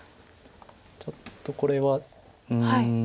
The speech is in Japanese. ちょっとこれはうん。